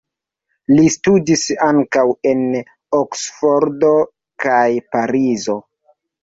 Li studis ankaŭ en Oksfordo kaj Parizo.